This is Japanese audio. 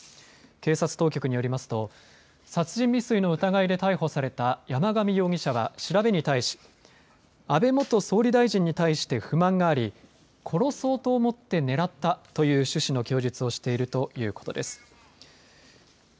警察当局によりますと殺人未遂の疑いで逮捕された山上容疑者は調べに対し安倍元総理大臣に対して不満があり殺そうと思って狙ったという趣旨の供述をしているということです。